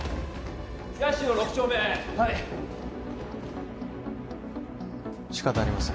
八潮６丁目はい仕方ありません